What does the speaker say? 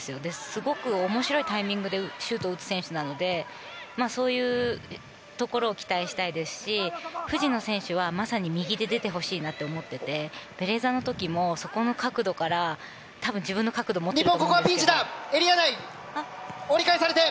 すごく面白いタイミングでシュートを打つ選手なのでそういうところを期待したいですし藤野選手はまさに右で出てほしいなと思っていてベレーザの時もそこの角度から自分の角度を持っているんですよ。